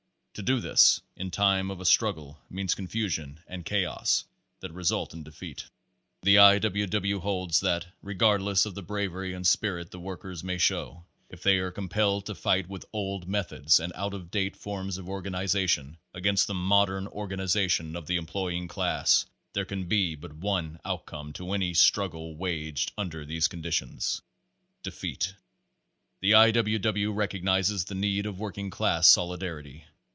To do this in time of a struggle means confusion and chaos that result in defeat. The I. W. W. holds, that, regardless of the bravery and spirit the workers may show, if they are compelled to fight with old methods and out of date form of organization against the modern organization of the employing class, there can be but one outcome to any struggle waged under these conditions defeat. The I. W. W. recognizes the need of working class solidarity.